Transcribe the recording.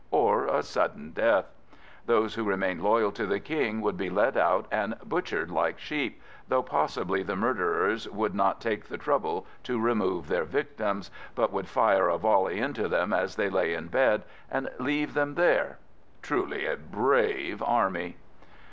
or a sudden death. Those who remained loyal to the King would be led out and butchered like sheep, though possibly the murderers would not take the trouble to remove their victims, but would fire a volley into them as they lay in bed, and leave them there. Truly a brave army!